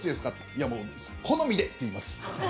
いやもう、好みで！って言います。